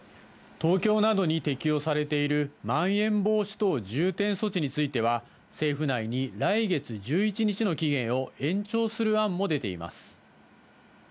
東京などに適用されているまん延防止等重点措置については、政府内に来月１１日の期限を延長する案も出ています。